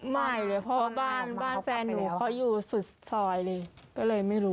ไม่เลยเพราะว่าบ้านบ้านแฟนหนูเขาอยู่สุดซอยเลยก็เลยไม่รู้